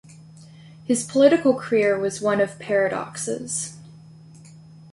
His political career was one of paradoxes.